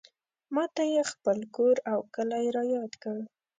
ماته یې خپل کور او کلی رایاد کړ.